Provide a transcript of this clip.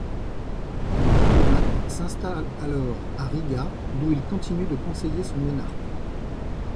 Le diplomate s'installe alors à Riga, d'où il continue de conseiller son monarque.